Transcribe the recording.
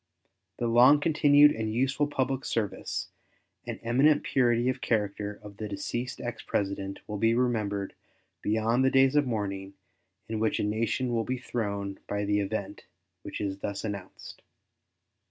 The long continued and useful public service and eminent purity of character of the deceased ex President will be remembered beyond the days of mourning in which a nation will be thrown by the event which is thus announced.